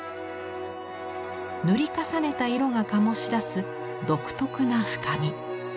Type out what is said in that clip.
塗り重ねた色が醸し出す独特な深み。